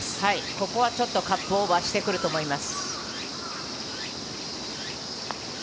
ここはちょっとカップオーバーしてくると思います。